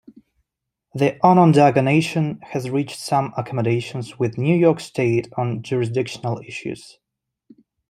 The Onondaga Nation has reached some accommodations with New York State on jurisdictional issues.